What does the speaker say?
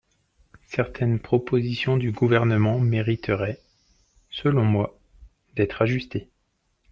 Certaines propositions du Gouvernement mériteraient, selon moi, d’être ajustées.